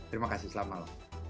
terima kasih selamat malam